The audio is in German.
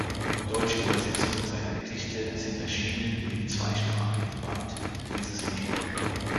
Deutsche Übersetzungen seiner Gedichte sind erschienen in dem zweisprachigen Band "Dieses Leben.